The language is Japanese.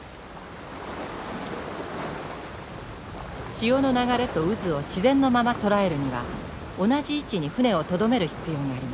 潮の流れと渦を自然のまま捉えるには同じ位置に船をとどめる必要があります。